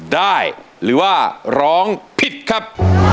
ได้ครับ